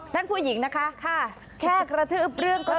นั่นผู้หญิงนะคะค่ะแค่กระทืบเรื่องก็